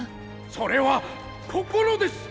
それは「心」です。